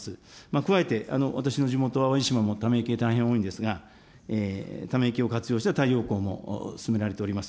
加えて、私の地元、淡路島もため池、大変多いんですが、ため池を活用した太陽光も進められております。